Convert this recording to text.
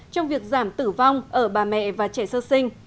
trong việc giảm tử vong ở bà mẹ và trẻ sơ sinh